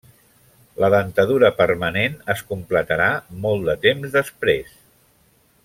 La dentadura permanent es completarà molt de temps després.